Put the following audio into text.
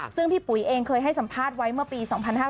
ซึ่งพี่ปุ๋ยเองเคยให้สัมภาษณ์ไว้เมื่อปี๒๕๕๙